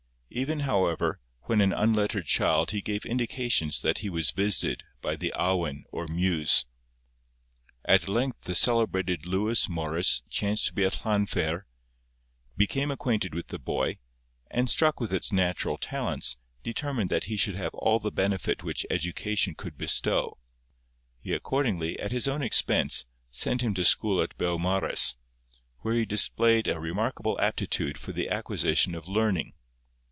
Even, however, when an unlettered child he gave indications that he was visited by the awen or muse. At length the celebrated Lewis Morris chancing to be at Llanfair, became acquainted with the boy, and, struck with its natural talents, determined that he should have all the benefit which education could bestow. He accordingly, at his own expense, sent him to school at Beaumaris, where he displayed a remarkable aptitude for the acquisition of learning.